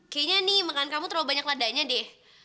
kayaknya nih makan kamu terlalu banyak ladanya deh